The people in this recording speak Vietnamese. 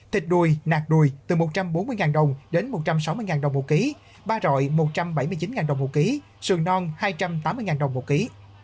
thịt đùi nạc đùi từ một trăm bốn mươi đồng đến một trăm sáu mươi đồng một ký ba rọi một trăm bảy mươi chín đồng một ký sườn non hai trăm tám mươi đồng một ký